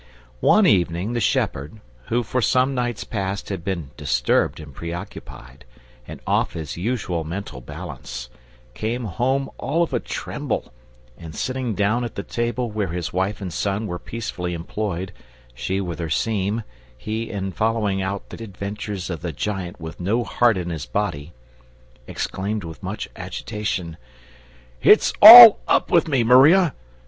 One evening the shepherd, who for some nights past had been disturbed and preoccupied, and off his usual mental balance, came home all of a tremble, and, sitting down at the table where his wife and son were peacefully employed, she with her seam, he in following out the adventures of the Giant with no Heart in his Body, exclaimed with much agitation: "It's all up with me, Maria!